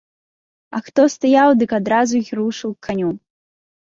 А хто стаяў, дык адразу й рушыў к каню.